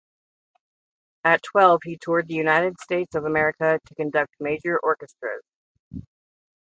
At twelve he toured the United States of America to conduct major orchestras.